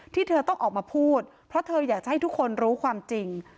ที่เธอต้องออกมาพูดเพราะเธออยากจะให้ทุกคนรู้ความจริง